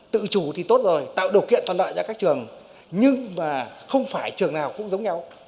tự chủ thì tốt rồi tạo điều kiện thuận lợi cho các trường nhưng mà không phải trường nào cũng giống nhau